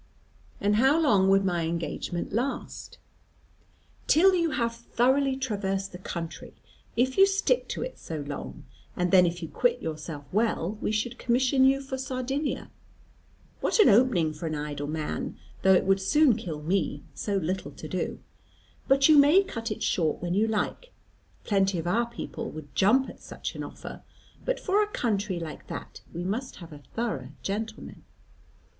"And how long would my engagement last?" "Till you have thoroughly traversed the country, if you stick to it so long; and then if you quit yourself well, we should commission you for Sardinia. What an opening for an idle man, though it would soon kill me so little to do. But you may cut it short when you like. Plenty of our people would jump at such an offer; but for a country like that we must have a thorough gentleman.